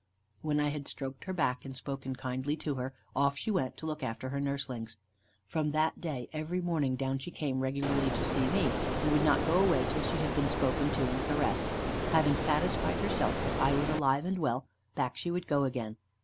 When I had stroked her back, and spoken kindly to her, off she went to look after her nurselings. From that day, every morning down she came regularly to see me, and would not go away till she had been spoken to and caressed. Having satisfied herself that I was alive and well, back she would go again.